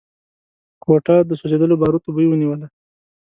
کوټه د سوځېدلو باروتو بوی ونيوله.